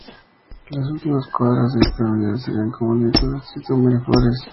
Las últimas cuadras de esta avenida sirven como límite en el distrito de Miraflores.